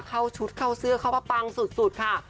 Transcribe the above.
เข้าชุดเข้าเสื้อเข้ามาปังสุดค่ะ